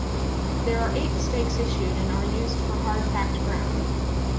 There are eight stakes issued, and are used for hard packed ground.